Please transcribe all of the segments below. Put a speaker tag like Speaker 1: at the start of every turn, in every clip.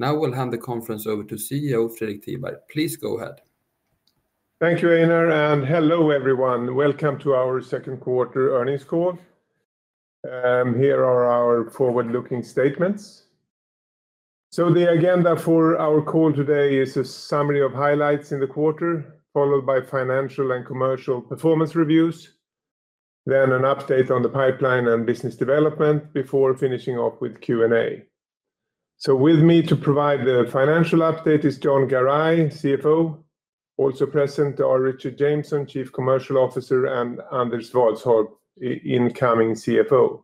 Speaker 1: Now we'll hand the conference over to CEO Fredrik Tiberg. Please go ahead.
Speaker 2: Thank you, Einar. Hello, everyone. Welcome to our second quarter earnings call. Here are our forward-looking statements. The agenda for our call today is a summary of highlights in the quarter followed by financial and commercial performance reviews, an update on the pipeline and business development, and finishing up with Q&A. With me to provide the financial update is Jon Garay, CFO. Also present are Richard Jameson, Chief Commercial Officer, and Anders Vadsholt, incoming CFO.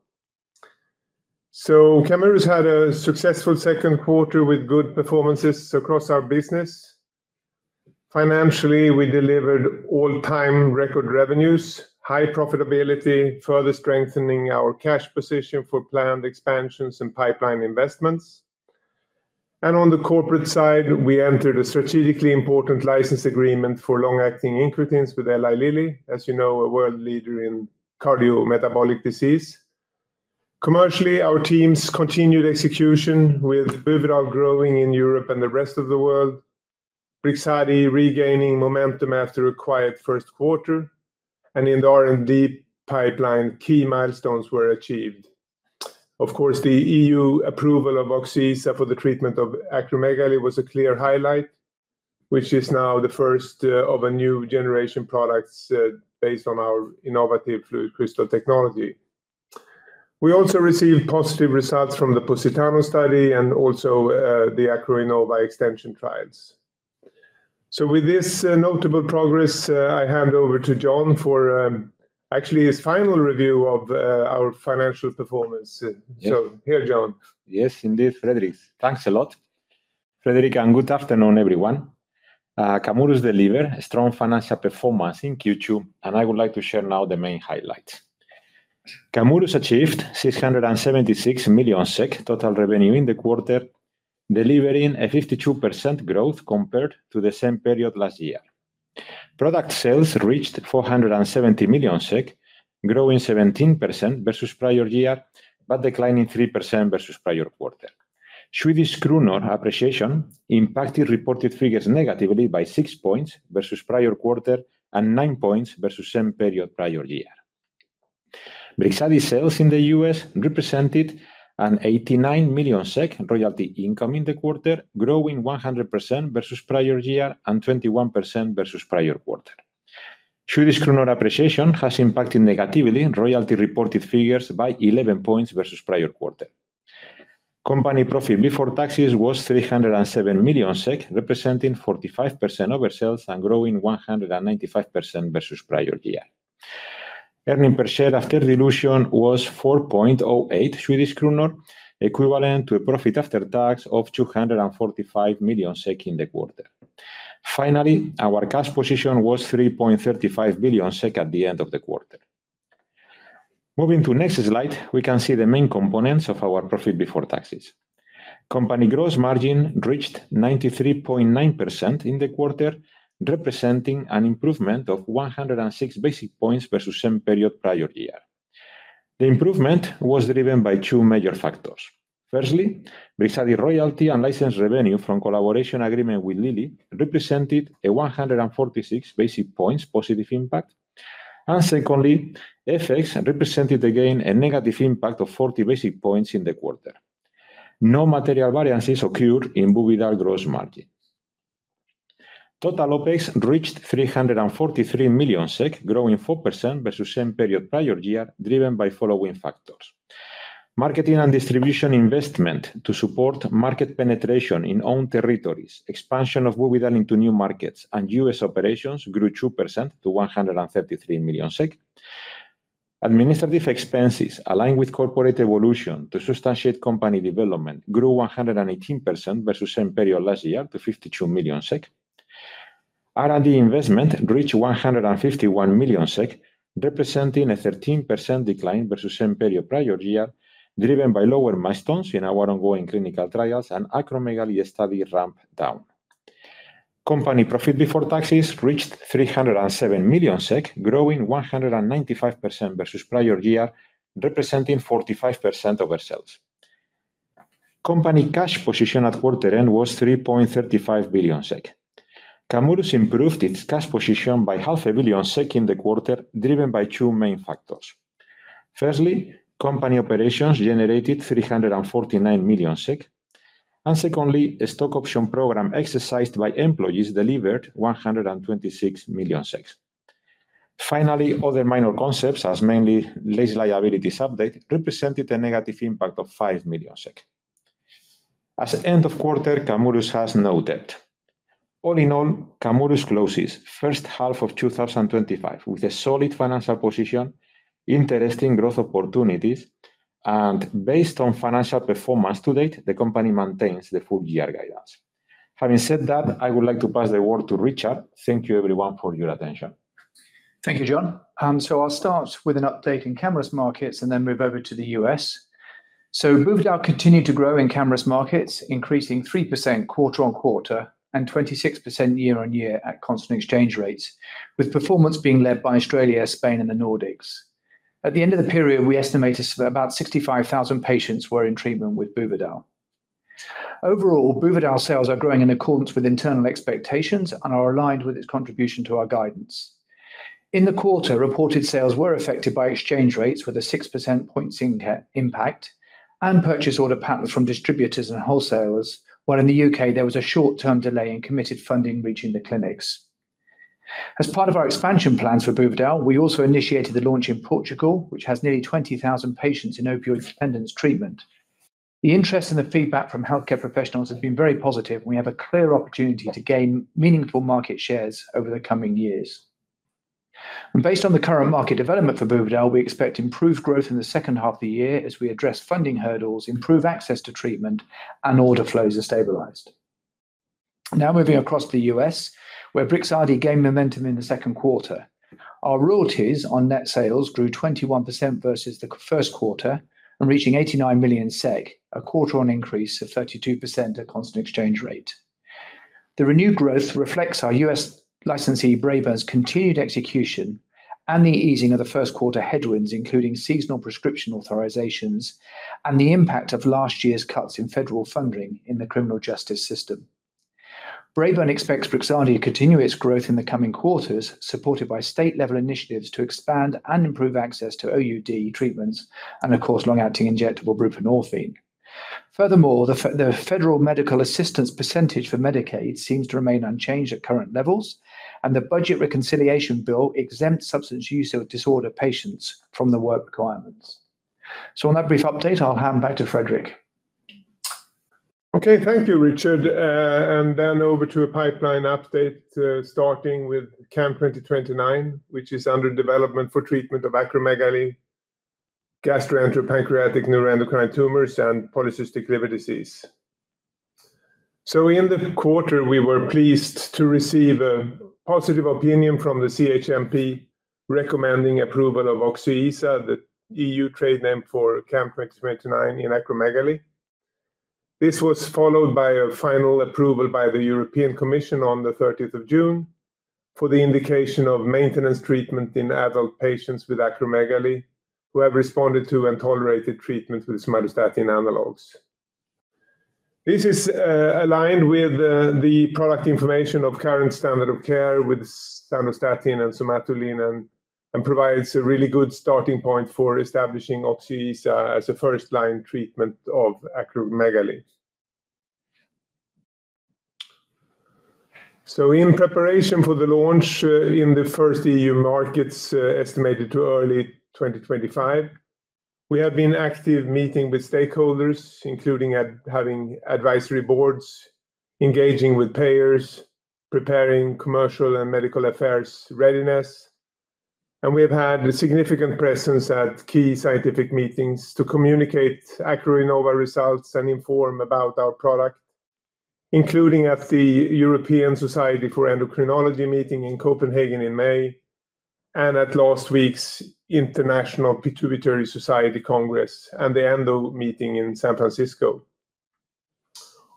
Speaker 2: Camurus had a successful second quarter with good performances across our business. Financially, we delivered all-time record revenues, high profitability, and further strengthening of our cash position for planned expansions and pipeline investments. On the corporate side, we entered a strategically important license agreement for long-acting incretins with Eli Lilly, as you know, a world leader in cardiometabolic disease. Commercially, our teams continued execution with Buvidal growing in Europe and the rest of the world, Brixadi regaining momentum after a quiet first quarter, and in the R&D pipeline, key milestones were achieved. The EU approval of Oxyceisa for the treatment of acromegaly was a clear highlight, which is now the first of a new generation of products based on our innovative FluidCrystal technology. We also received positive results from the Positano study and the AcroNova extension trials. With this notable progress, I hand over to Jon for his final review of our financial performance. Here, Jon.
Speaker 3: Yes indeed, Fredrik. Thanks a lot, Fredrik. Good afternoon everyone. Camurus delivered strong financial performance in Q2 and I would like to share now the main highlights. Camurus achieved 676 million SEK total revenue in the quarter, delivering a 52% growth compared to the same period last year. Product sales reached 470 million SEK, growing 17% versus prior year but declining 3% versus prior quarter. Swedish krona appreciation impacted reported figures negatively by 6% versus prior quarter and 9% versus same period prior year. Brixadi sales in the U.S. represented an 89 million SEK royalty income in the quarter, growing 100% versus prior year and 21% versus prior quarter. Swedish krona appreciation has impacted negatively royalty reported figures by 11% versus prior quarter. Company profit before taxes was 307 million SEK, representing 45% over sales and growing 195% versus prior year. Earnings per share after dilution was 4.08 Swedish kronor, equivalent to a profit after tax of 245 million SEK in the quarter. Finally, our cash position was 3.35 billion SEK at the end of the quarter. Moving to next slide, we can see the main components of our profit before taxes. Company gross margin reached 93.9% in the quarter, representing an improvement of 106 basis points versus same period prior year. The improvement was driven by two major factors. Firstly, Brixadi royalty and license revenue from collaboration agreement with Lilly represented a 146 basis points positive impact and secondly, FX represented again a negative impact of 40 basis points in the quarter. No material variances occurred in Buvidal gross margin. Total OpEx reached 343 million SEK, growing 4% versus same period prior year, driven by the following factors: marketing and distribution investment to support market penetration in owned territories, expansion of Buvidal into new markets, and U.S. operations grew 2% to 133 million SEK. Administrative expenses aligned with corporate evolution to substantiate company development grew 118% versus same period last year to 52 million SEK. R&D investment reached 151 million SEK, representing a 13% decline versus same period prior year, driven by lower milestones in our ongoing clinical trials and acromegaly study ramp down. Company profit before taxes reached 307 million SEK, growing 195% versus prior year, representing 45% of our sales. Company cash position at quarter end was 3.35 billion SEK. Camurus improved its cash position by half a billion SEK in the quarter, driven by two main factors. Firstly, company operations generated 349 million SEK and secondly, a stock option program exercised by employees delivered 126 million SEK. Finally, other minor concepts as mainly less liabilities update represented a negative impact of 5 million. At end of quarter, Camurus has no debt. All in all, Camurus closes first half of 2025 with a solid financial position, interesting growth opportunities and based on financial performance to date, the company maintains the full year guidance. Having said that, I would like to pass the word to Richard. Thank you everyone for your attention.
Speaker 4: Thank you, Jon. I'll start with an update in Camurus' markets and then move over to the U.S. Buvidal continued to grow in Camurus' markets, increasing 3% quarter-on-quarter and 26% year-on-year at constant exchange rates, with performance being led by Australia, Spain, and the Nordics. At the end of the period, we estimate about 65,000 patients were in treatment with Buvidal. Overall, Buvidal sales are growing in accordance with internal expectations and are aligned with its contribution to our guidance. In the quarter, reported sales were affected by exchange rates with a 6% impact and purchase order patterns from distributors and wholesalers, while in the U.K. there was a short-term delay in committed funding reaching the clinics. As part of our expansion plans for Buvidal, we also initiated the launch in Portugal, which has nearly 20,000 patients in opioid dependence treatment. The interest and the feedback from healthcare professionals has been very positive. We have a clear opportunity to gain meaningful market shares over the coming years. Based on the current market development for Buvidal, we expect improved growth in the second half of the year as we address funding hurdles, improve access to treatment, and order flows are stabilized. Now, moving across to the U.S., where Brixadi gained momentum in the second quarter, our royalties on net sales grew 21% versus the first quarter and reached 89 million SEK, a quarter-on increase of 32% at constant exchange rate. The renewed growth reflects our U.S. licensee Braeburn's continued execution and the easing of the first quarter headwinds, including seasonal prescription authorizations and the impact of last year's cuts in federal funding in the criminal justice system. Braeburn expects Brixadi to continue its growth in the coming quarters, supported by state-level initiatives to expand and improve access to OUD treatments and, of course, long-acting injectable buprenorphine. Furthermore, the federal medical assistance percentage for Medicaid seems to remain unchanged at current levels, and the budget reconciliation bill exempts substance use disorder patients from the work requirements. On that brief update, I'll hand back to Fredrik.
Speaker 2: Okay, thank you Richard. Then over to a pipeline update starting with CAM2029, which is under development for treatment of acromegaly, gastroenteropancreatic neuroendocrine tumors, and polycystic liver disease. In the quarter, we were pleased to receive a positive opinion from the CHMP recommending approval of Oxyceisa, the EU trade name for CAM2029 in acromegaly. This was followed by a final approval by the European Commission on June 30th for the indication of maintenance treatment in adult patients with acromegaly who have responded to and tolerated treatment with somatostatin analogues. This is aligned with the product information of current standard of care with Sandostatin and Somatuline and provides a really good starting point for establishing Oxyceisa as a first-line treatment of acromegaly. In preparation for the launch in the first EU markets, estimated to be early 2025, we have been active meeting with stakeholders, including having advisory boards, engaging with payers, preparing commercial and medical affairs readiness, and we have had a significant presence at key scientific meetings to communicate AcroNova results and inform about our product, including at the European Society for Endocrinology meeting in Copenhagen in May and at last week's International Pituitary Society Congress and the ENDO meeting in San Francisco.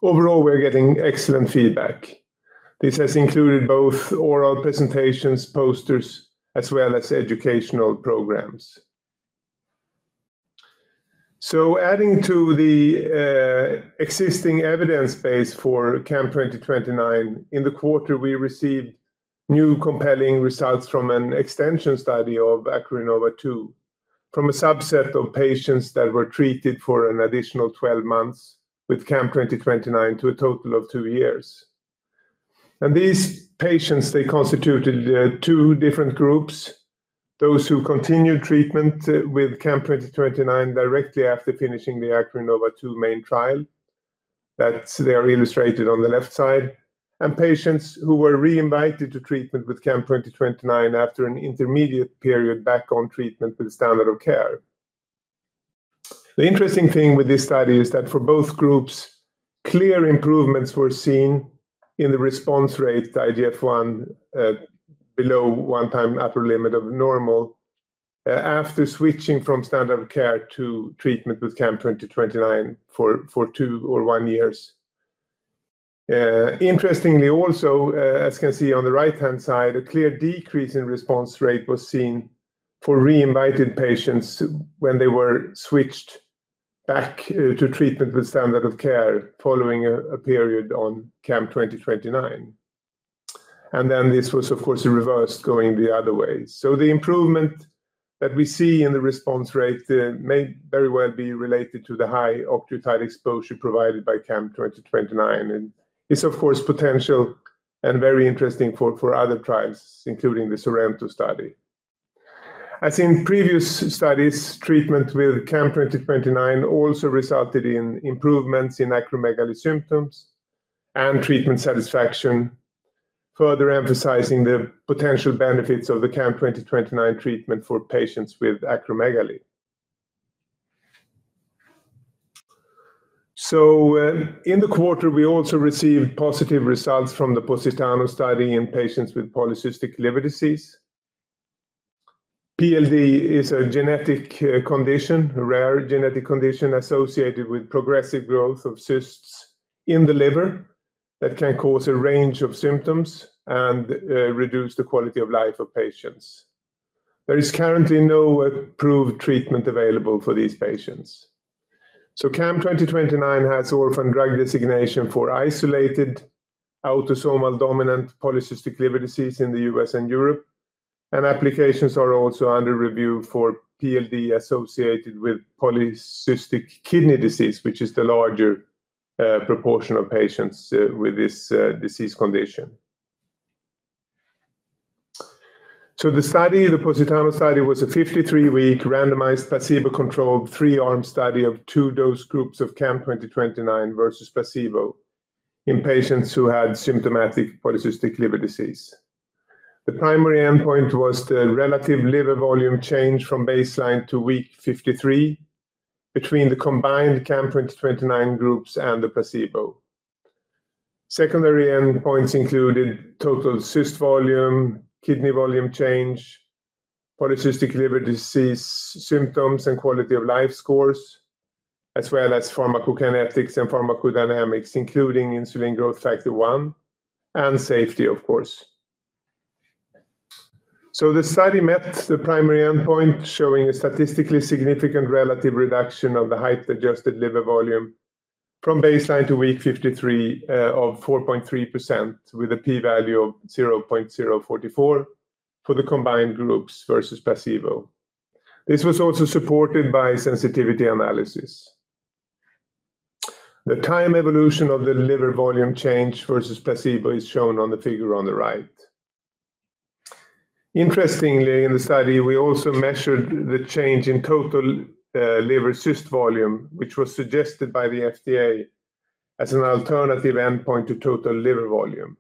Speaker 2: Overall, we're getting excellent feedback. This has included both oral presentations, posters, as well as educational programs. Adding to the existing evidence base for CAM2029, in the quarter we received new compelling results from an extension study of AcroNova 2 from a subset of patients that were treated for an additional 12 months with CAM2029 to a total of two years. These patients constituted two different groups: those who continued treatment with CAM2029 directly after finishing the AcroNova 2 main trial, illustrated on the left side, and patients who were reinvited to treatment with CAM2029 after an intermediate period back on treatment with standard of care. The interesting thing with this study is that for both groups, clear improvements were seen in the response rate IGF-1 below 1 time upper limit of normal after switching from standard care to treatment with CAM2029 for two or one years. Interestingly also, as you can see on the right-hand side, a clear decrease in response rate was seen for re-invited patients when they were switched back to treatment with standard of care following a period on CAM2029, and then this was of course reversed going the other way. The improvement that we see in the response rate may very well be related to the high octreotide exposure provided by CAM2029, which is of course potential and very interesting for other trials including the Sorrento study. As in previous studies, treatment with CAM2029 also resulted in improvements in acromegaly symptoms and treatment satisfaction, further emphasizing the potential benefits of the CAM2029 treatment for patients with acromegaly. In the quarter, we also received positive results from the Positano study in patients with polycystic liver disease. PLD is a rare genetic condition associated with progressive growth of cysts in the liver that can cause a range of symptoms and reduce the quality of life of patients. There is currently no approved treatment available for these patients. CAM2029 has orphan drug designation for isolated autosomal dominant polycystic liver disease in the U.S. and Europe, and applications are also under review for PLD associated with polycystic kidney disease, which is the larger proportion of patients with this disease condition. The Positano study was a 53-week randomized placebo-controlled 3-arm study of 2 dose groups of CAM2029 versus placebo in patients who had symptomatic polycystic liver disease. The primary endpoint was the relative liver volume change from baseline to week 53 between the combined CAM2029 groups and the placebo. Secondary endpoints included total cyst volume, kidney volume change, polycystic liver disease symptoms and quality of life scores, as well as pharmacokinetics and pharmacodynamics including insulin growth factor 1 and safety, of course. The study met the primary endpoint, showing a statistically significant relative reduction of the height-adjusted liver volume from baseline to week 53 of 4.3% with a p-value of 0.044 for the combined groups versus placebo. This was also supported by sensitivity analysis. The time evolution of the liver volume change versus placebo is shown on the figure on the right. Interestingly, in the study we also measured the change in total liver cyst volume, which was suggested by the FDA as an alternative endpoint to total liver volume.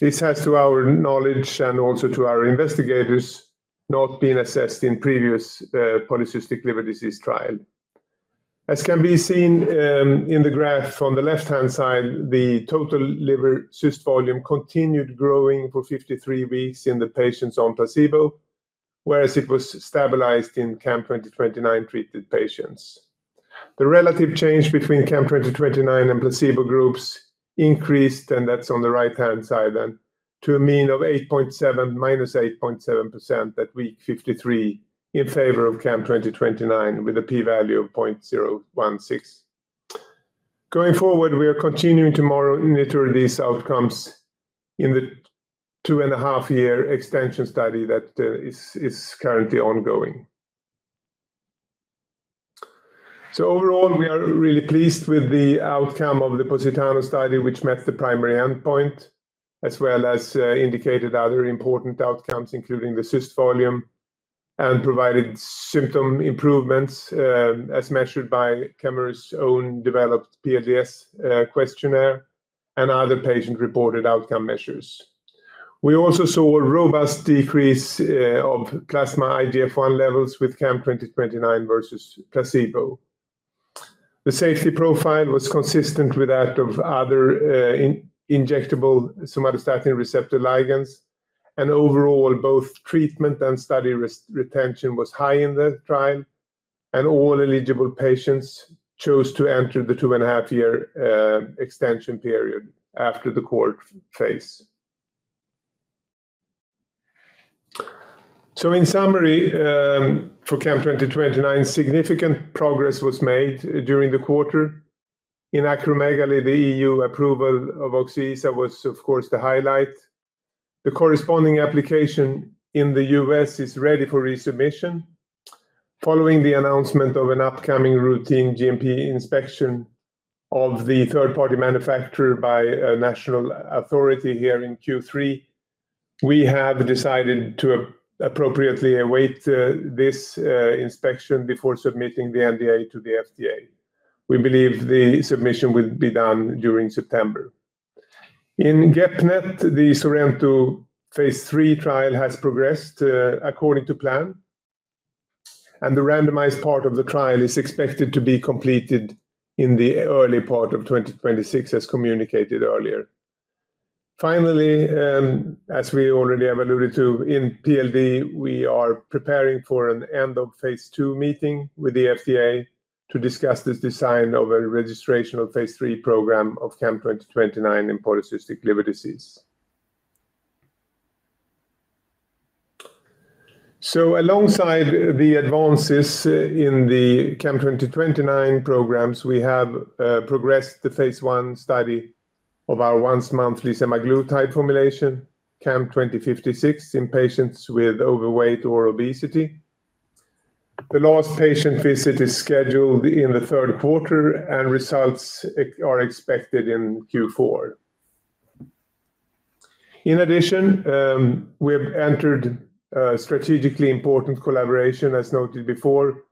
Speaker 2: This has, to our knowledge and also to our investigators, not been assessed in previous polycystic liver disease trials. As can be seen in the graph on the left-hand side, the total liver cyst volume continued growing for 53 weeks in the patients on placebo, whereas it was stabilized in CAM2029-treated patients. The relative change between CAM2029 and placebo groups increased, and that's on the right-hand side, to a mean of -8.7% at week 53 in favor of CAM2029, with a p-value of 0.016. Going forward, we are continuing to monitor these outcomes in the two and a half year extension study that is currently ongoing. Overall, we are really pleased with the outcome of the Positano study, which met the primary endpoint as well as indicated other important outcomes, including the cyst volume, and provided symptom improvements as measured by Camurus' own developed PLDS questionnaire and other patient-reported outcome measures. We also saw a robust decrease of plasma IGF-1 levels with CAM2029 versus placebo. The safety profile was consistent with that of other injectable somatostatin receptor ligands, and overall both treatment and study retention was high in the trial, and all eligible patients chose to enter the two and a half year extension period after the core phase. In summary, for CAM2029, significant progress was made during the quarter. In acromegaly, the EU approval of Oxyceisa was of course the highlight. The corresponding application in the U.S. is ready for resubmission following the announcement of an upcoming routine GMP inspection of the third-party manufacturer by national authority here in Q3, we have decided to appropriately await this inspection before submitting the NDA to the FDA. We believe the submission will be done during September. In GEP-NET, the Sorrento Phase III trial has progressed according to plan, and the randomized part of the trial is expected to be completed in the early part of 2026 as communicated earlier. As we already have alluded to in PLD, we are preparing for an end of Phase II meeting with the FDA to discuss the design of a registration Phase III program of CAM2029 in polycystic liver disease. Alongside the advances in the CAM2029 programs, we have progressed the Phase I study of our once-monthly semaglutide formulation CAM2056 in patients with overweight or obesity. The last patient visit is scheduled in the third quarter, and results are expected in Q4. In addition, we have entered strategically important collaboration as noted before,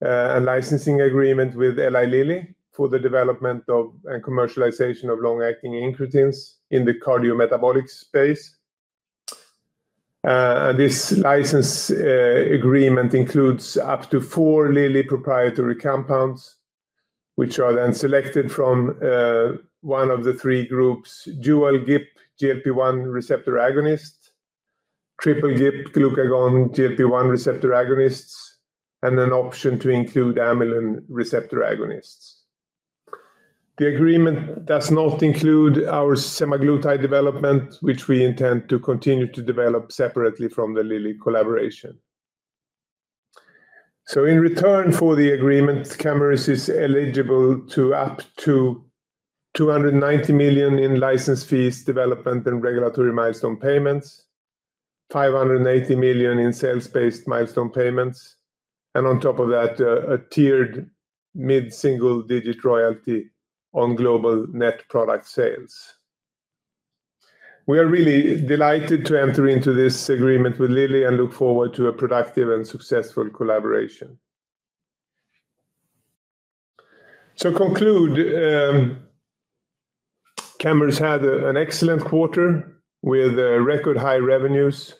Speaker 2: a licensing agreement with Eli Lilly for the development of and commercialization of long-acting incretins in the cardiometabolic space, and this license agreement includes up to four Lilly proprietary compounds which are then selected from one of the three groups: dual GIP, GLP-1 receptor agonist, triple GIP glucagon, GLP-1 receptor agonists, and an option to include amylin receptor agonists. The agreement does not include our semaglutide development, which we intend to continue to develop separately from the Lilly collaboration. In return for the agreement, Camurus is eligible to up to $290 million in license fees, development and regulatory milestone payments, $580 million in sales-based milestone payments, and on top of that a tiered mid single-digit royalty on global net product sales. We are really delighted to enter into this agreement with Lilly and look forward to a productive and successful collaboration. Camurus had an excellent quarter with record high revenues.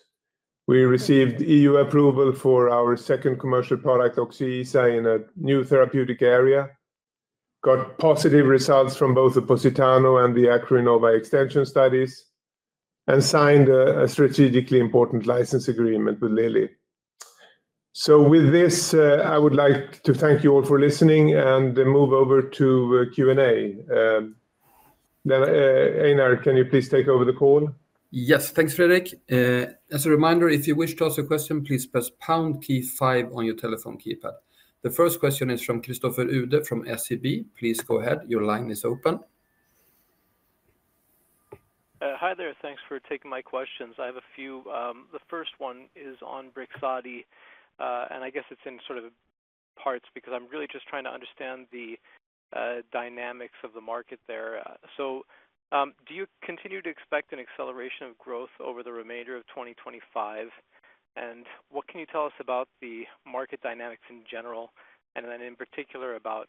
Speaker 2: We received EU approval for our second commercial product Oxyceisa in a new therapeutic area, got positive results from both the Positano and the AcroNova extension studies, and signed a strategically important license agreement with Lilly. I would like to thank you all for listening and then move over to Q&A. Einar, can you please take over the call?
Speaker 1: Yes, thanks Fredrik. As a reminder, if you wish to ask a question, please press key five on your telephone keypad. The first question is from Christopher Uhde from SEB, please go ahead. Your line is open.
Speaker 5: Hi there. Thanks for taking my questions. I have a few. The first one is on Brixadi and I guess it's in sort of parts because I'm really just trying to understand the dynamics of the market there. Do you continue to expect an acceleration of growth over the remainder of 2025, and what can you tell us about the market dynamics in general, and in particular about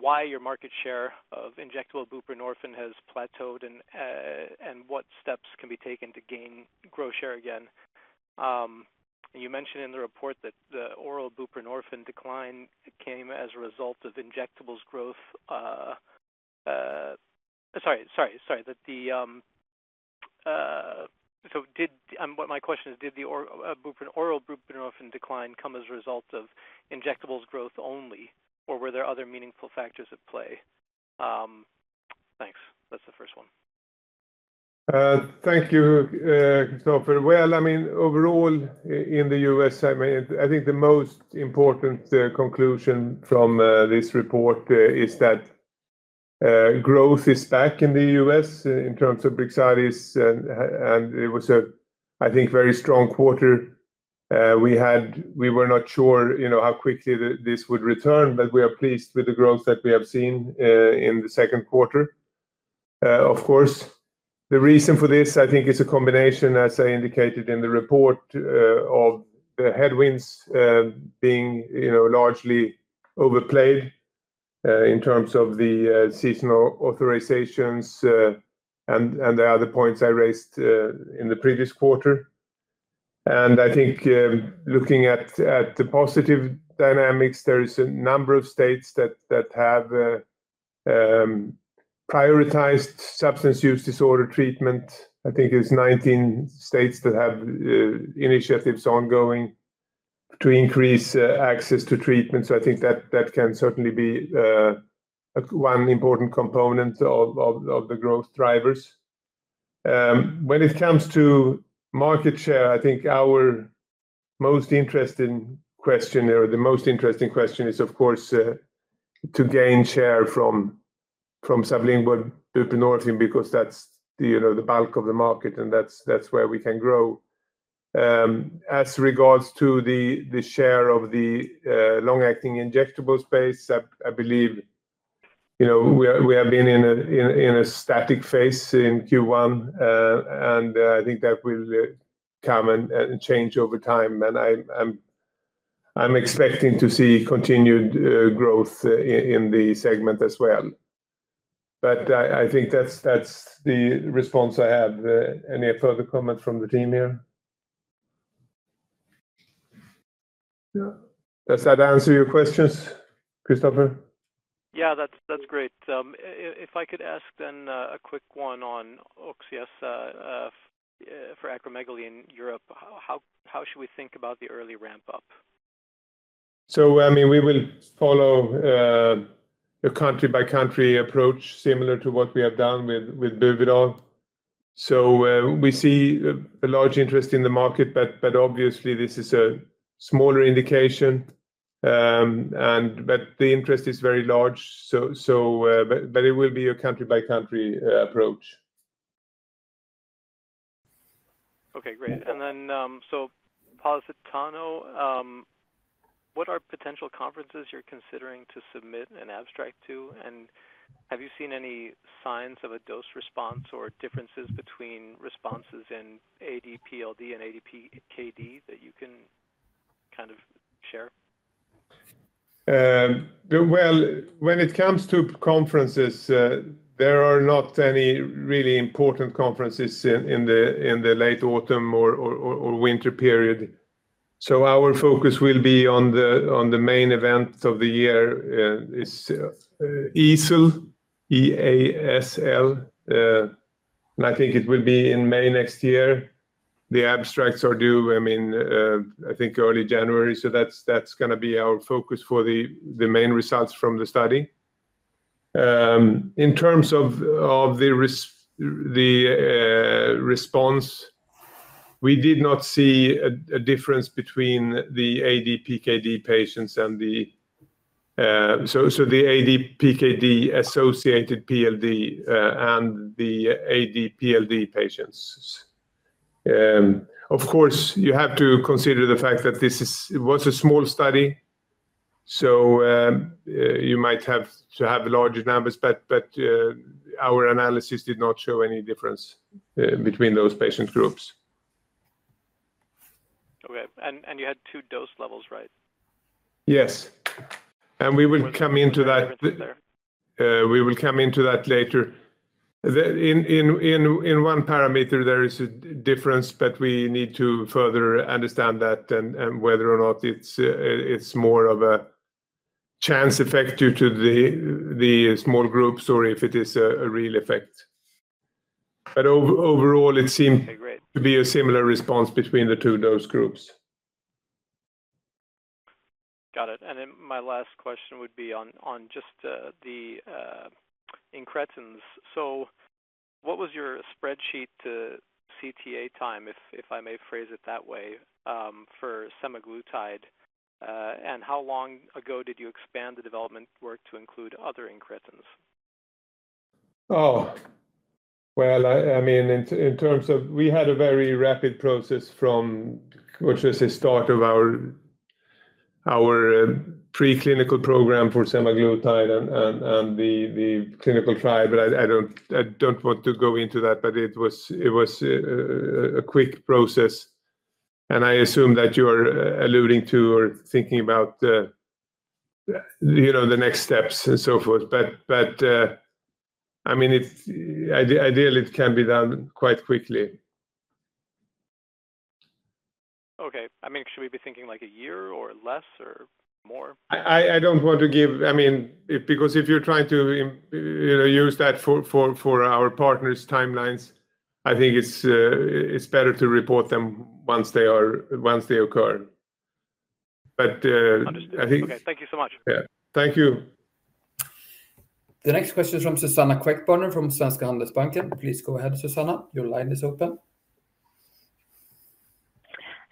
Speaker 5: why your market share of injectable buprenorphine has plateaued and what steps can be taken to gain gross share? You mentioned in the report that the oral buprenorphine decline came as a result of injectables growth. My question is, did the oral buprenorphine decline come as a result of injectables growth only, or were there other meaningful factors at play? Thanks. That's the first one.
Speaker 2: Thank you, Christopher. Overall in the U.S., I think the most important conclusion from this report is that growth is back in the U.S. in terms of Brixadi, and it was a very strong quarter we had. We were not sure how quickly this would return, but we are pleased with the growth that we have seen in the second quarter. The reason for this, I think, is a combination, as I indicated in the report, of the headwinds being largely overplayed in terms of the seasonal authorizations and the other points I raised in the previous quarter. Looking at the positive dynamics, there is a number of states that have prioritized substance use disorder treatment. I think it's 19 states that have initiatives ongoing to increase access to treatment. I think that can certainly be one important component of the growth drivers when it comes to market share. I think our most interesting question, or the most interesting question, is of course to gain share from sublingual buprenorphine because that's the bulk of the market and that's where we can grow as regards to the share of the long-acting injectable space. I believe we have been in a static phase in Q1, and I think that will come and change over time. I'm expecting to see continued growth in the segment as well. I think that's the response I have. Any further comments from the team here? Does that answer your questions, Christopher?
Speaker 5: Yeah, that's great. If I could ask a quick one on Oxyceisa for acromegaly in Europe, how should we think about the early ramp up?
Speaker 2: We will follow a country by country approach, similar to what we have done with Buvidal. We see a large interest in the market, but obviously this is a smaller indication. The interest is very large. It will be a country by country approach.
Speaker 5: Okay, great. What are potential conferences you're considering to submit an abstract to? Have you seen any signs of a dose response or differences between responses in ADPLD and ADPKD that you can kind of share?
Speaker 2: When it comes to conferences, there are not any really important conferences in the late autumn or winter period. Our focus will be on the main event of the year, EASL, E-A-S-L, and I think it will be in May next year. The abstracts are due, I think, early January. That's going to be our focus for the main results from the study. In terms of the response, we did not see a difference between the ADPKD patients, the ADPKD-associated PLD, and the ADPLD patients. Of course, you have to consider the fact that this was a small study, so you might have to have larger numbers, but our analysis did not show any difference between those patient groups.
Speaker 5: Okay. You had two dose levels, right?
Speaker 2: Yes. We will come into that later. In one parameter there is a difference, but we need to further understand that and whether or not it's more of a chance effect due to the small groups or if it is a real effect. Overall, it seemed to be a similar response between the two dose groups.
Speaker 5: Got it. My last question would be on just the incretins. What was your spreadsheet CTA time, if I may phrase it that way, for semaglutide? How long ago did you expand the development work to include other incretins?
Speaker 2: In terms of, we had a very rapid process from which was the start of our preclinical program for semaglutide and the clinical trial. I don't want to go into that. It was a quick process and I assume that you are alluding to or thinking about the next steps and so forth. I mean it's ideally it can be done quite quickly.
Speaker 5: Okay. Should we be thinking like a year or less or more?
Speaker 2: I don't want to give, I mean, if you're trying to, you know, use that for our partners' timelines, I think it's better to report them once they occur.
Speaker 5: Okay, thank you so much.
Speaker 2: Thank you.
Speaker 1: The next question is from Suzanna Queckbörner from Svenska Handelsbanken. Please go ahead, Suzanna. Your line is open.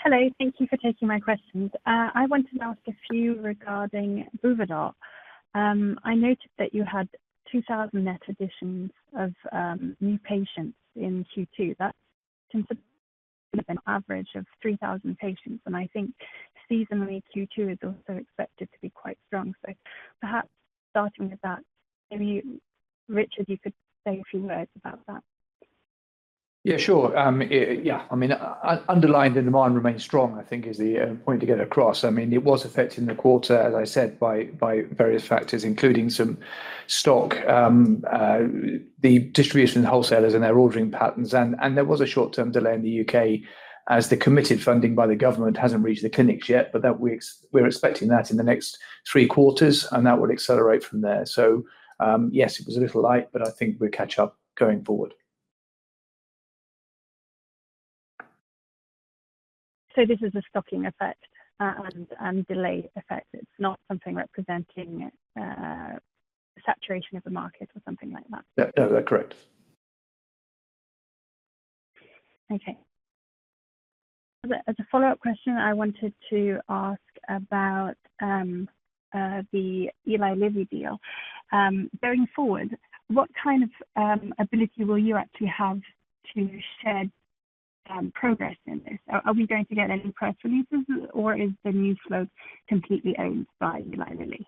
Speaker 6: Hello. Thank you for taking my questions. I want to ask a few regarding Buvidal. I noted that you had 2,000 net additions of new patients in Q2. That's an average of 3,000 patients. I think seasonally Q2 is also expected to be quite strong. Perhaps starting with that, maybe Richard, you could say a few words about that.
Speaker 4: Yeah, sure, yeah. I mean underlying the demand remains strong, I think is the point to get across. I mean it was affected in the quarter, as I said, by various factors including some stock, the distribution wholesalers and their ordering patterns. There was a short term delay in the U.K. as the committed funding by the government hasn't reached the clinics yet. We're expecting that in the next three quarters and that will accelerate from there. Yes, it was a little light, but I think we'll catch up going forward.
Speaker 6: This is the stocking effect and delay effect. It's not something representing saturation of the market or something like that?
Speaker 4: Correct.
Speaker 6: Okay. As a follow up question, I wanted to ask about the Eli Lilly deal going forward. What kind of ability will you actually have to shed progress in this? Are we going to get any press releases or is the new float completely owned by Eli Lilly?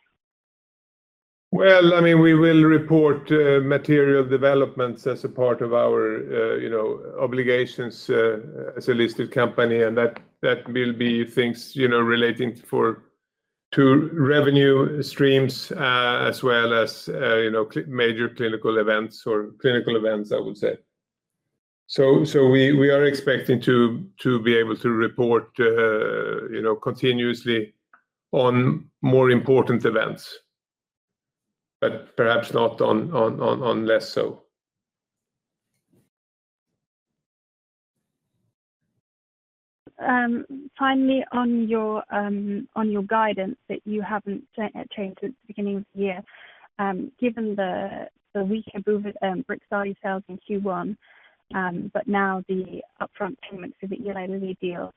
Speaker 2: We will report material developments as a part of our obligations as a listed company, and that will be things relating to revenue streams as well as major clinical events or clinical events, I would say. We are expecting to be able to report continuously on more important events, but perhaps less so.
Speaker 6: Finally, on your guidance that you haven't changed since the beginning of the year, given the weaker Brixadi sales in Q1, and now the upfront payments of the Eli Lilly deal,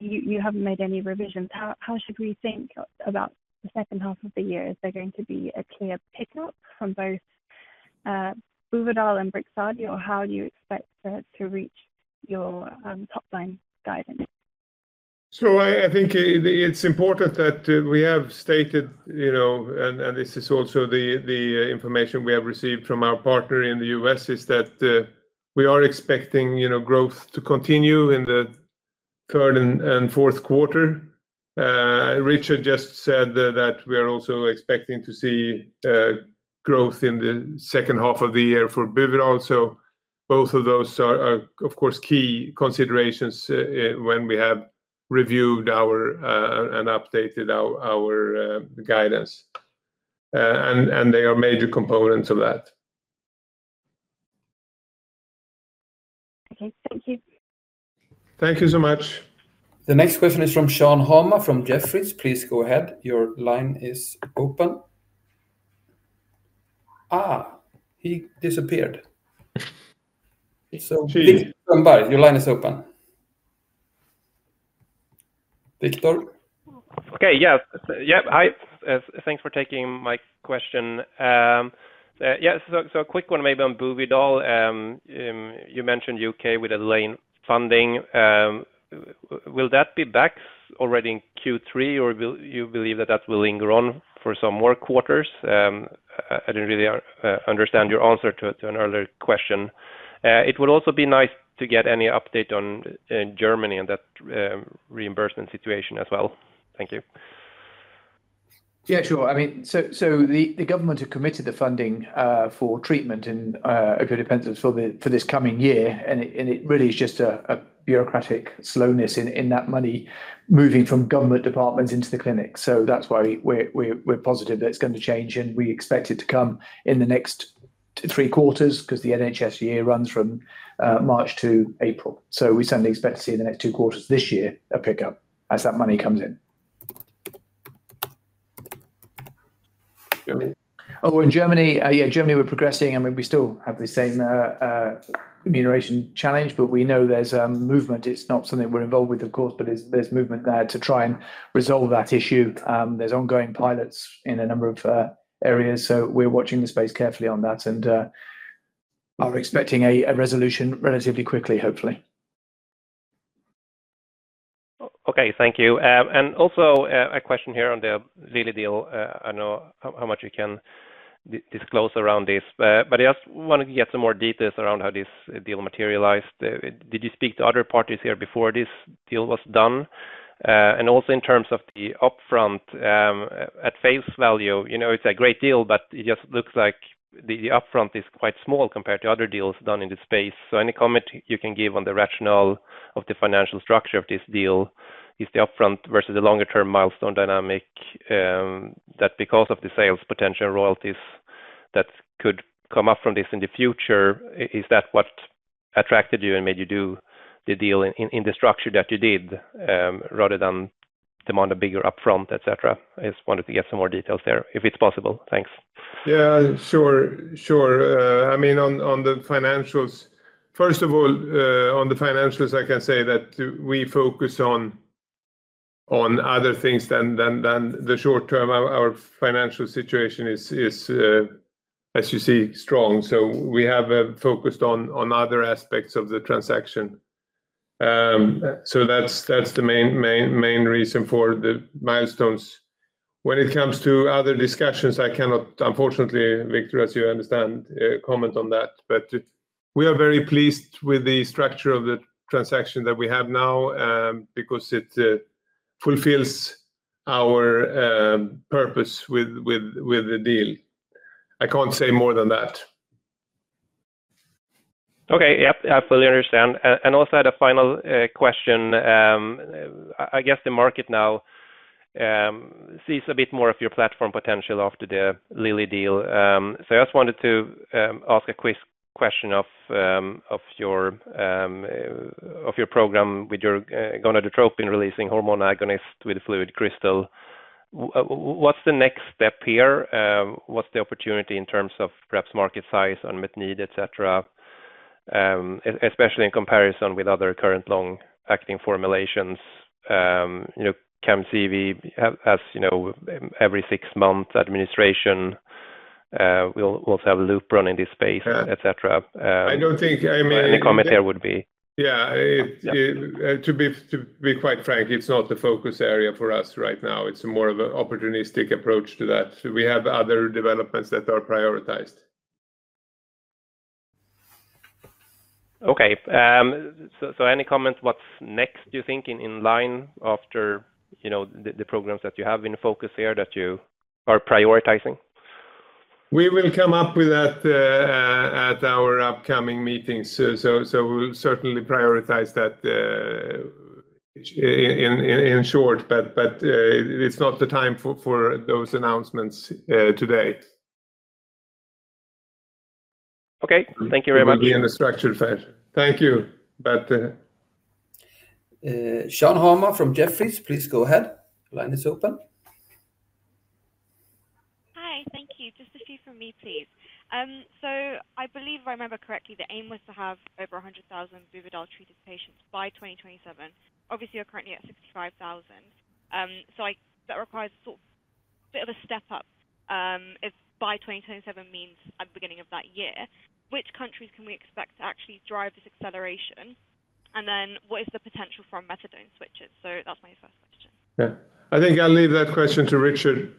Speaker 6: you haven't made any revisions. How should we think about the second half of the year? Is there going to be a clear pickup from both Buvidal and Brixadi, or how do you expect to reach your top line guidance?
Speaker 2: I think it's important that we have stated, and this is also the information we have received from our partner in the U.S., that we are expecting, you know, growth to continue in the third and fourth quarter. Richard just said that we are also expecting to see growth in the second half of the year for Buvidal. Both of those are, of course, key considerations when we have reviewed and updated our guidance, and they are major components of that.
Speaker 6: Okay, thank you.
Speaker 2: Thank you so much.
Speaker 1: The next question is from Shan Hama from Jefferies. Please go ahead. Your line is open. He disappeared. Your line is open, Victor.
Speaker 7: Okay. Hi. Thanks for taking my question. Yes, a quick one maybe on Buvidal. You mentioned U.K. with delayed funding. Will that be back already in Q3, or do you believe that will linger on for some more quarters? I didn't really understand your answer to an earlier question. It would also be nice to get any update on Germany and that reimbursement situation as well. Thank you.
Speaker 4: Yeah, sure. I mean, the government had committed the funding for treatment in opioid pensions for this coming year. It really is just a bureaucratic slowness in that money moving from government departments into the clinic. That's why we're positive that it's going to change. We expect it to come in the next three quarters because the NHS year runs from March to April. We certainly expect to see the next two quarters this year, a pickup as that money comes in. Oh, in Germany. Germany, we're progressing. We still have the same reimbursement challenge, but we know there's movement. It's not something we're involved with, of course, but there's movement there to try and resolve that issue. There are ongoing pilots in a number of areas. We're watching the space carefully on that and are expecting a resolution relatively quickly, hopefully.
Speaker 7: Okay, thank you. Also, a question here on the Lilly deal. I know how much you can disclose around this, but I just wanted to get some more details around how this deal materialized. Did you speak to other parties here before this deal was done? In terms of the upfront, at face value, you know, it's a great deal, but it just looks like the upfront is quite small compared to other deals done in this space. Any comment you can give on the rationale of the financial structure of this deal is the upfront versus the longer term milestone dynamic that because of the sales potential, royalties that could come up from this in the future, is that what attracted you and made you do the deal in the structure that you did, rather than demand a bigger upfront, et cetera? I just wanted to get some more details there, if it's possible. Thanks.
Speaker 2: Sure. On the financials, first of all, on the financials, I can say that we focus on other things than the short term. Our financial situation is, as you see, strong. We have focused on other aspects of the transaction. That's the main reason for the milestones. When it comes to other discussions, I cannot, unfortunately, Victor, as you understand, comment on that. We are very pleased with the structure of the transaction that we have now because it fulfills our purpose with the deal. I can't say more than that.
Speaker 7: Okay, yes, I fully understand and also had a final question. I guess the market now sees a bit more of your platform potential after the Lilly deal. I just wanted to ask a quick question of your program with your gonadotropin releasing hormone agonist with FluidCrystal technology. What's the next step here? What's the opportunity in terms of perhaps market size, unmet need, et cetera, especially in comparison with other current long-acting formulations, CAMCEVI, as you know, every six months administration will also have leuprolide in this space, et cetera. I don't think any comment here would be.
Speaker 2: To be quite frank, it's not the focus area for us right now. It's more of an opportunistic approach to that. We have other developments that are prioritized.
Speaker 7: Okay, any comment? What's next, do you think, in line after the programs that you have in focus here that you are prioritizing?
Speaker 2: We will come up with that at our upcoming meetings. We will certainly prioritize that. In short, it's not the time for those announcements today.
Speaker 7: Okay, thank you very much.
Speaker 2: In a structured fashion, thank you.
Speaker 1: Shan Hama from Jefferies, please go ahead. Line is open.
Speaker 8: Hi, thank you. Just a few from me, please. I believe, if I remember correctly, the aim was to have over 100,000 Buvidal treated patients by 2027. Obviously you're currently at 65,000, so that requires a bit of a step up. If by 2027 means at the beginning of that year, which countries can we expect to actually drive this acceleration? What is the potential for methadone switches? That's my first question.
Speaker 2: Yeah, I think I'll leave that question to Richard.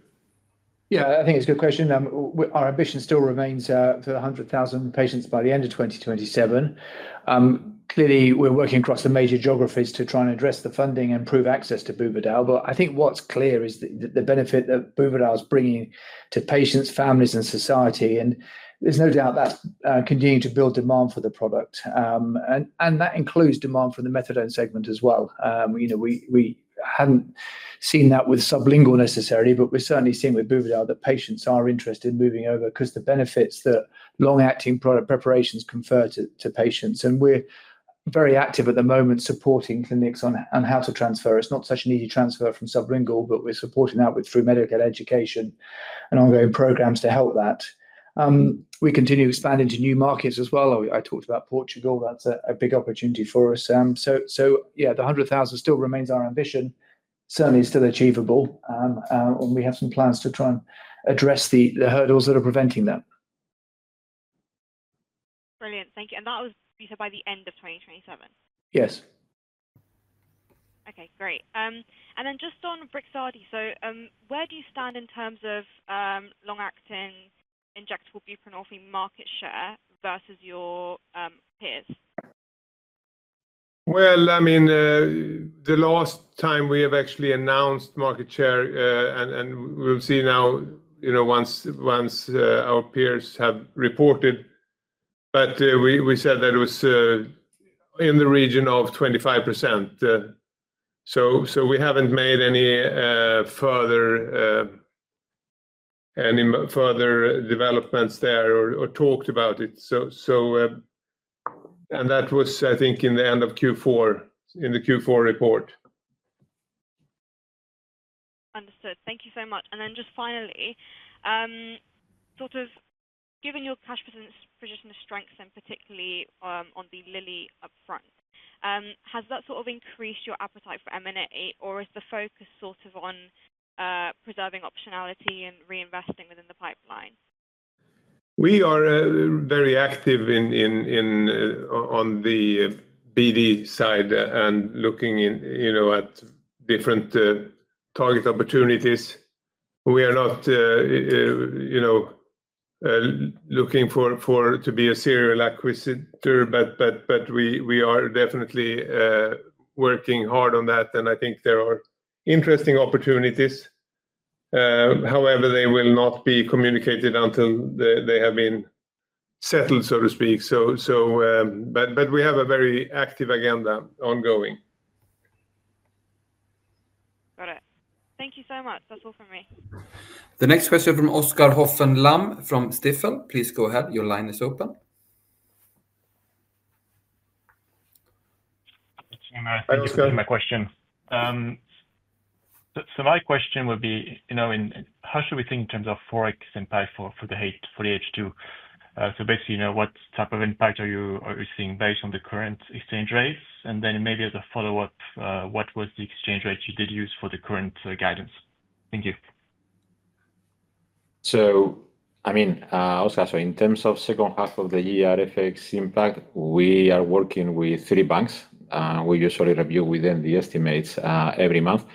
Speaker 4: Yeah, I think it's a good question. Our ambition still remains to 100,000 patients by the end of 2027. Clearly, we're working across the major geographies to try and address the funding and improve access to Buvidal. I think what's clear is that the benefit that Buvidal is bringing to patients, families, and society, and there's no doubt that's continuing to build demand for the product, and that includes demand for the methadone segment as well. We hadn't seen that with sublingual necessarily, but we've certainly seen with Buvidal that patients are interested in moving over because of the benefits that long-acting product preparations confer to patients. We're very active at the moment supporting clinics on how to transfer. It's not such an easy transfer from sublingual, but we're supporting that through medical education and ongoing programs to help. We continue to expand into new markets as well. I talked about Portugal. That's a big opportunity for us. The 100,000 still remains our ambition, certainly still achievable. We have some plans to try and address the hurdles that are preventing them.
Speaker 6: Brilliant. Thank you. Was that by the end of 2027?
Speaker 4: Yes.
Speaker 8: Okay, great. Just on Brixadi, where do you stand in terms of long-acting injectable buprenorphine market share versus your peers?
Speaker 2: The last time we have actually announced market share, we'll see now, you know, once our peers have reported, but we said that it was in the region of 25%. We haven't made any further developments there or talked about it. That was, I think, in the end of Q4 in the Q4 report.
Speaker 8: Understood, thank you so much. Finally, sort of given your cash position strength and particularly on the Lilly front, has that sort of increased your appetite for M&A or is the focus sort of on preserving optionality and reinvesting within the pipeline?
Speaker 2: We are very active on the BD side and looking at different target opportunities. We are not looking to be a serial acquisitor, but we are definitely working hard on that. I think there are interesting opportunities. However, they will not be communicated until they have been settled, so to speak. We have a very active agenda ongoing.
Speaker 6: Got it. Thank you so much. That's all for me.
Speaker 1: The next question from Oscar Haffen Lamm from Stifel. Please go ahead. Your line is open.
Speaker 9: Thank you for my question. My question would be, you know, how should we think in terms of forex impact for the H2? Basically, you know, what type of impact are you seeing based on the current exchange rates, and then maybe as a follow up, what was the exchange rate you did use for the current guidance? Thank you.
Speaker 3: In terms of second half of the year FX impact, we are working with three banks. We usually review within the estimates every month,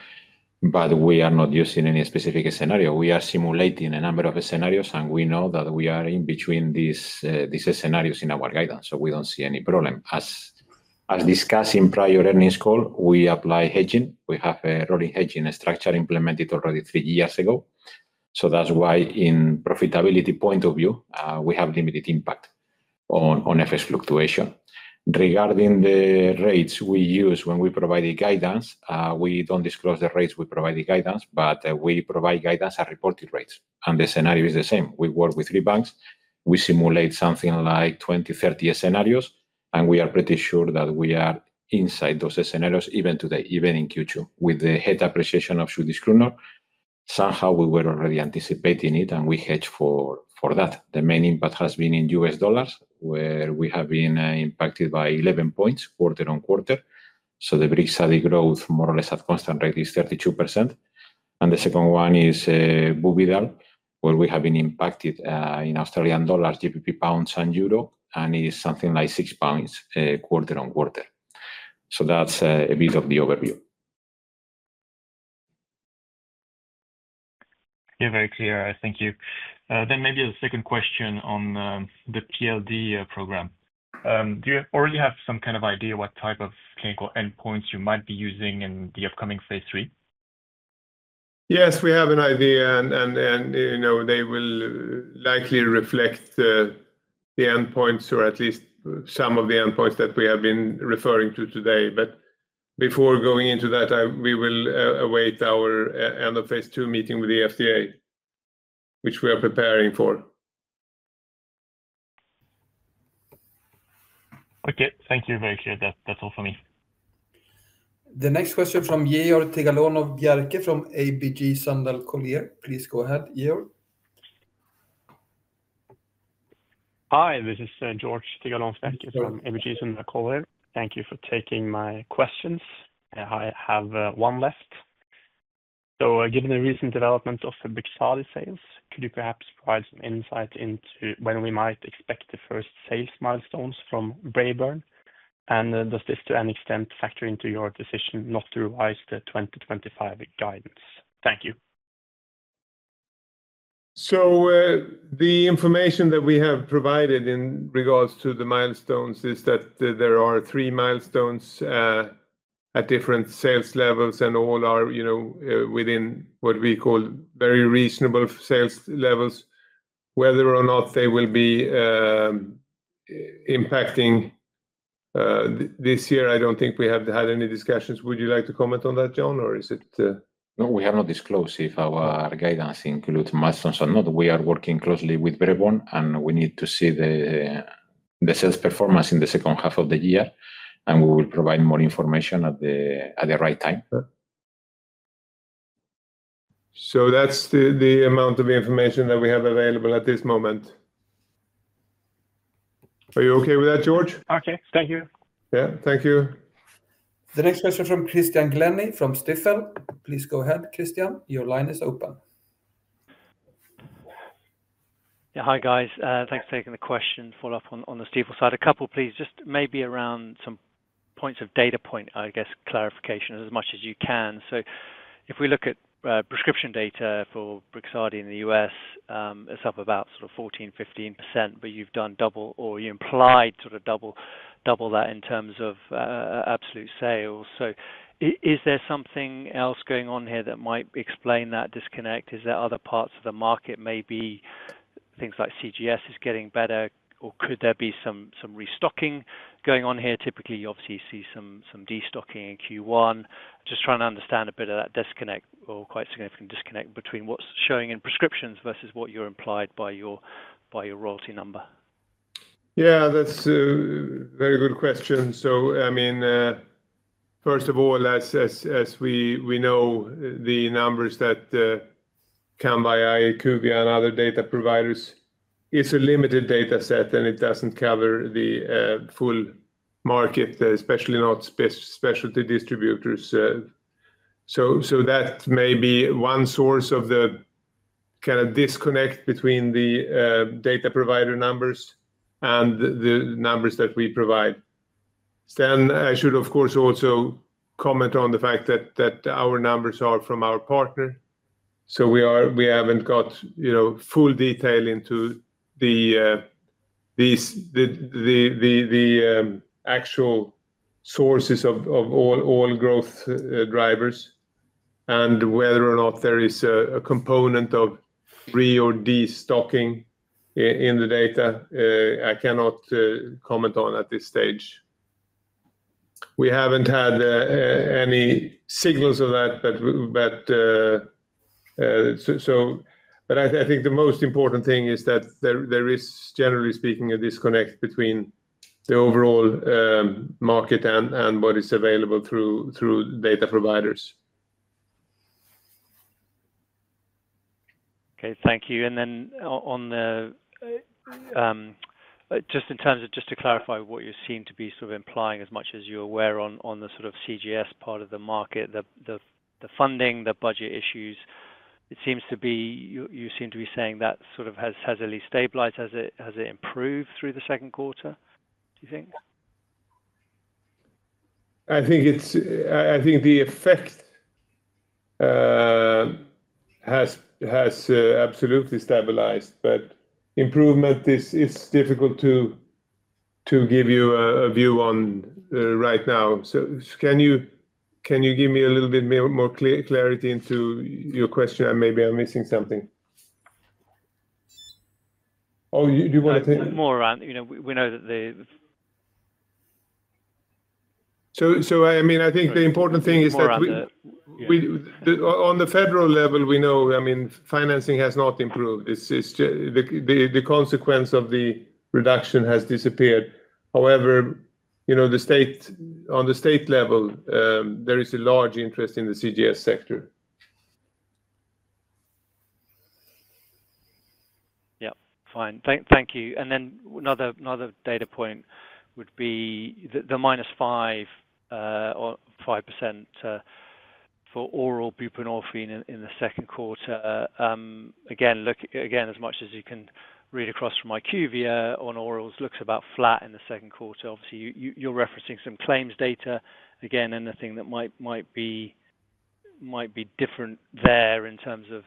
Speaker 3: but we are not using any specific scenario. We are simulating a number of scenarios, and we know that we are in between these scenarios in our guidance. We don't see any problem. As discussed in prior earnings call, we apply hedging. We have a rolling hedging structure implemented already three years ago. That's why, from a profitability point of view, we have limited impact on FX fluctuation regarding the rates we use. When we provide guidance, we don't disclose the rates. We provide the guidance, but we provide guidance at reported rates. The scenario is the same. We work with three banks, we simulate something like 20, 30 scenarios, and we are pretty sure that we are inside those scenarios. Even today, even in Q2 with the appreciation of Swedish krona, somehow we were already anticipating it and we hedged for that. The main impact has been in U.S. dollars, where we have been impacted by 11 points quarter-on-quarter. The Brixadi growth more or less at constant rate is 32%. The second one is Buvidal, where we have been impacted in Australian dollars, GBP pounds, and euro, and it is something like six points quarter-on-quarter. That's a bit of the overview.
Speaker 9: You're very clear. Thank you. Maybe a second question on the PLD program. Do you already have some kind of idea what type of clinical endpoints you might be using in the upcoming Phase III?
Speaker 2: Yes, we have an idea and they will likely reflect the endpoints or at least some of the endpoints that we have been referring to today. Before going into that, we will await our end of Phase II meeting with the FDA, which we are preparing for.
Speaker 9: Okay, thank you. Very clear. That's all for me.
Speaker 1: The next question from Jon U. Garay Alonso from ABG Sundal Collier, please go ahead. Igor.
Speaker 10: Hi, this is Georg Tigalonov from ABG Sundal Collier, thank you for taking my questions. I have one left. Given the recent development of Brixadi sales, could you perhaps provide some insight into when we might expect the first sales milestones from Braeburn? Does this to any extent factor into your decision not to revise the 2025 guidance? Thank you.
Speaker 2: The information that we have provided in regards to the milestones is that there are three milestones at different sales levels, and all are, you know, within what we call very reasonable sales levels. Whether or not they will be impacting this year, I don't think we have had any discussions. Would you like to comment on that, Jon, or is it?
Speaker 3: No. We have not disclosed if our guidance includes milestones or not. We are working closely with Braeburn and we need to see the sales performance in the second half of the year, and we will provide more information at the right time.
Speaker 2: That is the amount of information that we have available at this moment. Are you okay with that, Georg?
Speaker 10: Okay, thank you.
Speaker 2: Thank you.
Speaker 1: The next question from Christian Glennie from Stifel, please. Go ahead, Christian. Your line is open.
Speaker 11: Hi guys. Thanks for taking the question. Follow up on the Stifel side, a couple, please. Just maybe around some points of data point, I guess, clarification as much as you can. If we look at prescription data for Brixadi in the U.S., it's up about 14%, 15%. You've done double or you implied sort of double, double that in terms of absolute sales. Is there something else going on here that might explain that disconnect? Is there other parts of the market? Maybe things like CGS is getting better, or could there be some restocking going on here? Typically you obviously see some destocking in Q1. Just trying to understand a bit of that disconnect or quite significant disconnect between what's showing in prescriptions versus what you're implied by your royalty number.
Speaker 2: Yeah, that's a very good question. First of all, as we know, the numbers that come by IQVIA and other data providers, it's a limited data set and it doesn't cover the full market, especially not specialty distributors. That may be one source of the kind of disconnect between the data provider numbers and the numbers that we provide. I should, of course, also comment on the fact that our numbers are from our partner. We haven't got full detail into the actual sources of all growth drivers, and whether or not there is a component of re or destocking in the data, I cannot comment on at this stage. We haven't had any signals of that. I think the most important thing is that there is, generally speaking, a disconnect between the overall market and what is available through data providers.
Speaker 11: Thank you. Just to clarify what you seem to be implying, as much as you're aware, on the CGS part of the market, the funding, the budget issues, it seems to be, you seem to be saying that has at least stabilized. Has it improved through the second quarter, do you think?
Speaker 2: I think the effect has absolutely stabilized. Improvement is difficult to give you a view on right now. Can you give me a little bit more clarity into your question? Maybe I'm missing something.
Speaker 11: Do you want to take more around? We know that the.
Speaker 2: I think the important thing is that on the federal level, we know financing has not improved. The consequence of the reduction has disappeared. However, on the state level, there is a large interest in the CGS sector.
Speaker 11: Fine, thank you. Another data point would be the minus 5% for oral buprenorphine in the second quarter. As much as you can read across from IQVIA on orals, it looks about flat in the second quarter. Obviously, you're referencing some claims data. Is there anything that might be different there in terms of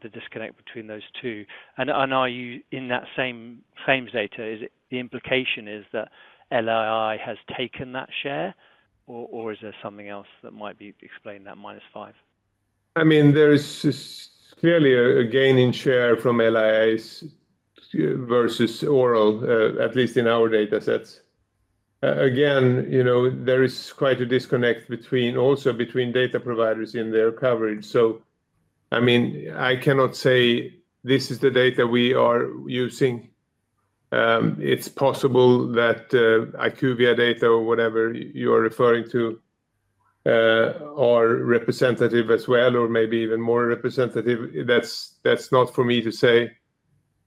Speaker 11: the disconnect between those two, and are you in that same data? The implication is that LII has taken that share. Is there something else that might explain that minus 5%?
Speaker 2: I mean, there is clearly a gain in share from Buvidal versus oral, at least in our data sets. Again, there is quite a disconnect between data providers in their coverage. I cannot say this is the data we are using. It's possible that IQVIA data or whatever you are referring to are representative as well, or maybe even more representative. That's not for me to say,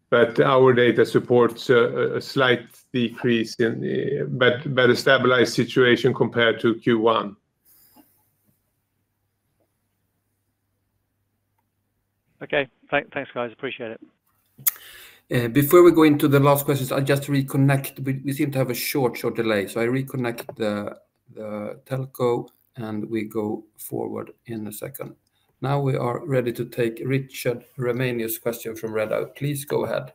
Speaker 2: but our data supports a slight decrease in better stabilized situation compared to Q1.
Speaker 11: Okay, thanks guys, appreciate it.
Speaker 1: Before we go into the last questions, I just reconnect. We seem to have a short delay, so I reconnect the telco and we go forward in a second. Now we are ready to take Richard Ramanius question from Redeye. Please go ahead.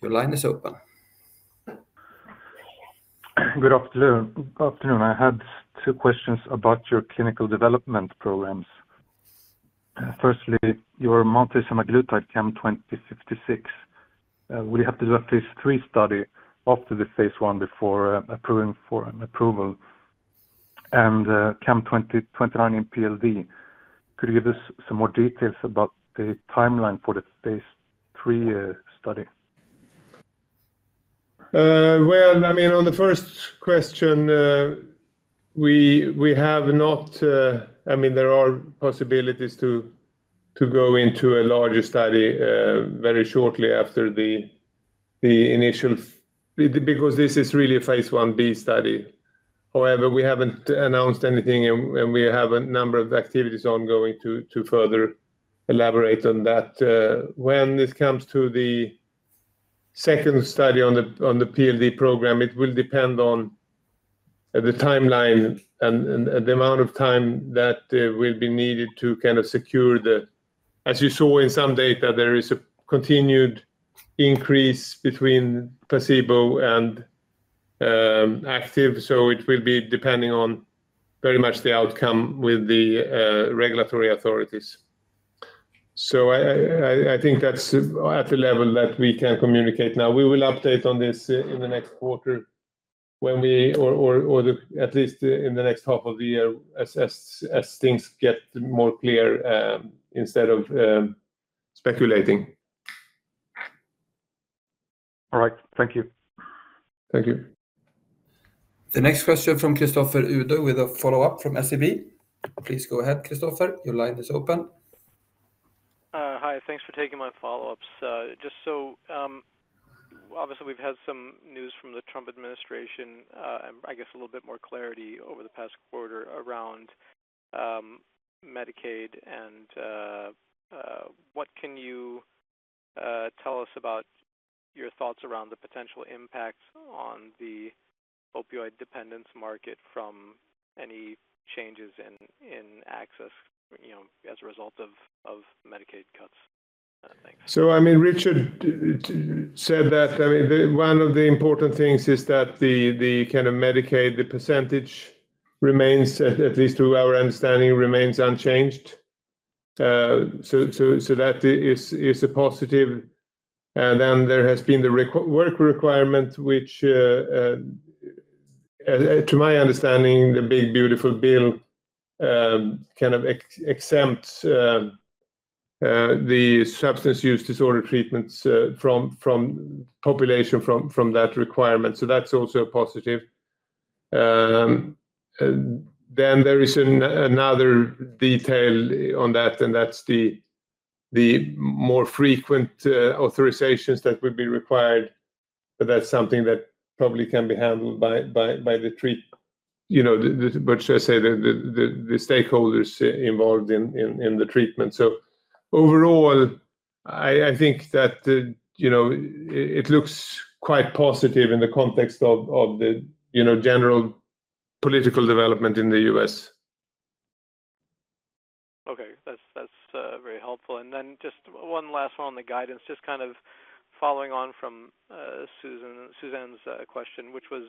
Speaker 1: Your line is open.
Speaker 12: Good afternoon. I had two questions about your clinical development programs. Firstly, your multi-semaglutide CAM2056, will you have to do at least three studies after the Phase I before approving for an approval, and CAM2029 in PLD. Could you give us some more details about the timeline for the Phase III study?
Speaker 2: On the first question, we have not. There are possibilities to go into a larger study very shortly after the initial, because this is really a Phase IB study. However, we haven't announced anything and we have a number of activities ongoing. To further elaborate on that, when this comes to the second study on the PLD program, it will depend on the timeline and the amount of time that will be needed to kind of secure the, as you saw in some data, there is a continued increase between placebo and active. It will be depending very much on the outcome with the regulatory authorities. I think that's at the level that we can communicate now. We will update on this in the next quarter or at least in the next half of the year as things get more clear instead of speculating.
Speaker 12: All right, thank you. Thank you.
Speaker 1: The next question from Christopher Uhde with a follow-up from SEB. Please go ahead. Christopher, your line is open.
Speaker 5: Hi, thanks for taking my follow ups. Obviously we've had some news from the Trump administration, I guess a little bit more clarity over the past quarter around Medicaid. What can you tell us about your thoughts around the potential impact on the opioid dependence market from any changes in access as a result of Medicaid cuts?
Speaker 2: Richard said that one of the important things is that the kind of Medicaid, the patient percentage remains, at least to our understanding, remains unchanged. That is a positive. There has been the work requirement, which to my understanding, the Big Beautiful bill kind of exempts the substance use disorder treatments population from that requirement. That is also a positive. There is another detail on that, and that is the more frequent authorizations that would be required. That is something that probably can be handled by the stakeholders involved in the treatment. Overall, I think that it looks quite positive in the context of the general political development in the U.S.
Speaker 5: Okay, that's very helpful. Just one last one on the guidance, just kind of following on from Suzanna's question, which was,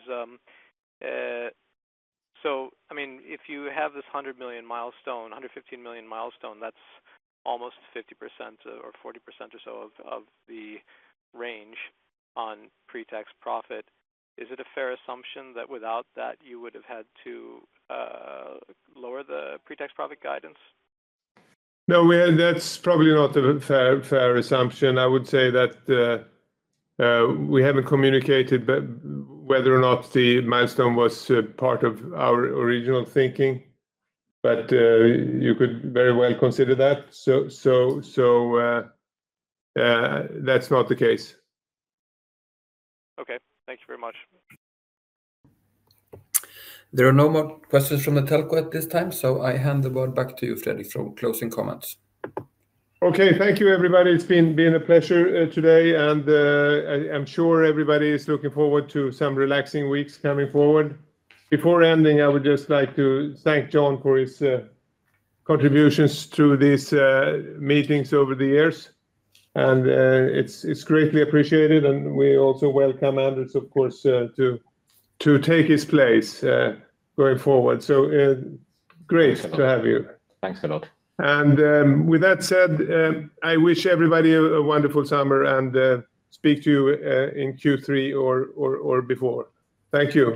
Speaker 5: if you have this $100 million milestone, $115 million milestone, that's almost 50% or 40% or so of the range on pre-tax profit. Is it a fair assumption that without that you would have had to lower the pre-tax profit guidance?
Speaker 2: No, that's probably not a fair assumption. I would say that we haven't communicated whether or not the milestone was part of our original thinking, but you could very well consider that. That's not the case.
Speaker 5: Okay, thank you very much.
Speaker 1: There are no more questions from the telco at this time. I hand the board back to you, Fredrik, for closing comments.
Speaker 2: Okay, thank you everybody. It's been a pleasure today and I'm sure everybody is looking forward to some relaxing weeks coming forward before ending. I would just like to thank Jon for his contributions through these meetings over the years and it's greatly appreciated and we also welcome Anders, of course, to take his place going forward. Great to have you.
Speaker 13: Thanks a lot.
Speaker 2: With that said, I wish everybody a wonderful summer and speak to you in Q3 or before. Thank you.